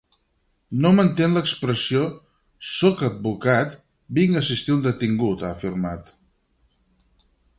No m’entén l’expressió: “Sóc advocat, vinc a assistir un detingut”, ha afirmat.